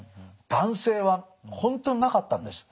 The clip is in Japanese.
男性は本当になかったんです。